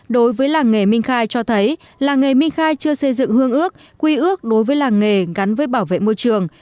đối với làng nghề minh khai cho thấy làng nghề minh khai chưa xây dựng hương ước quy ước đối với làng nghề gắn với bảo vệ môi trường